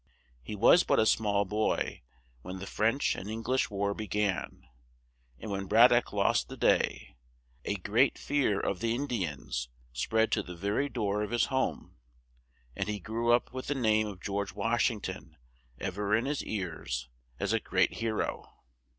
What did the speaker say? He was but a small boy when the French and Eng lish War be gan, and when Brad dock lost the day, a great fear of the In di ans spread to the ver y door of his home; and he grew up with the name of George Wash ing ton ev er in his ears, as a great he ro.